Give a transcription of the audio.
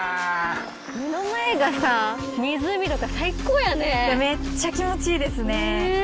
目の前がさ湖とか最高やねめっちゃ気持ちいいですねねぇ